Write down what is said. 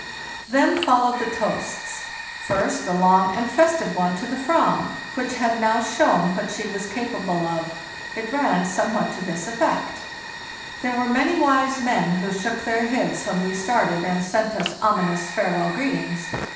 * "Then followed the toasts. First, a long and festive one to 'The Avram, which had now shown what she was capable of. It ran somewhat to this effect: ' There were many wise men who shook their heads when we started, and sent us ominous farewell greetings.